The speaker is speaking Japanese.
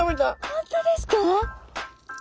本当ですか？